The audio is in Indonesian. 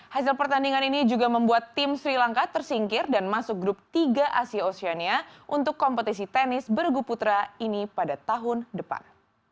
hasil pertandingan ini juga membuat tim sri lanka tersingkir dan masuk grup tiga asia oceania untuk kompetisi tenis bergu putra ini pada tahun depan